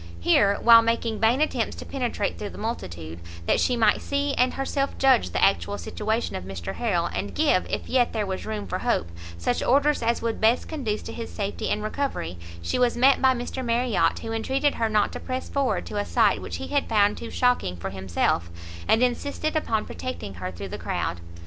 Here, while making vain attempts to penetrate through the multitude, that she might see and herself judge the actual situation of Mr Harrel, and give, if yet there was room for hope, such orders as would best conduce to his safety and recovery, she was met by Mr Marriot, who entreated her not to press forward to a sight which he had found too shocking for himself, and insisted upon protecting her through the crowd.